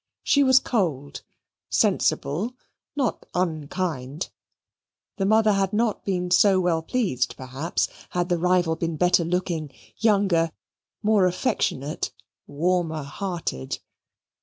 She was cold, sensible, not unkind. The mother had not been so well pleased, perhaps, had the rival been better looking, younger, more affectionate, warmer hearted.